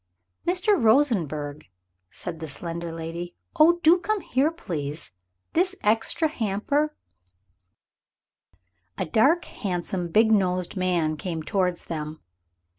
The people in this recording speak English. "Mr. Rosenberg," said the slender lady "oh, do come here, please! This extra hamper " A dark, handsome, big nosed man came towards them.